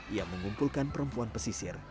ia mengumpulkan perempuan pesisir